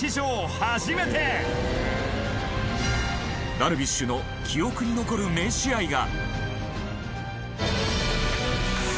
ダルビッシュの記憶に残る名試合が。